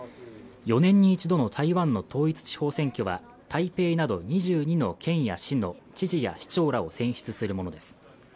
４年に１度の台湾の統一地方選挙は台北など２２の県や市の知事や市長らを選出するものです